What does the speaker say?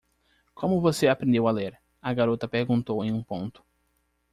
"Como você aprendeu a ler?" a garota perguntou em um ponto.